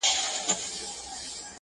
ستا قربان سم معظمه مکرمه